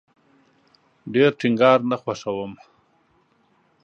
ډیر ټینګار نه خوښوم